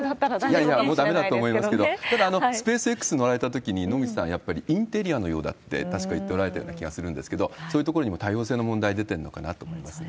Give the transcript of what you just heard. もうだめだと思いますけれども、でもスペースＸ乗られたときに、野口さん、やっぱりインテリアのようだって、確か言っておられたような気がするんですけど、そういうところにも多様性の問題、出てるのかなと思いますね。